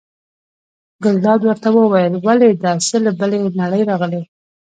ګلداد ورته وویل: ولې دا څه له بلې نړۍ راغلي.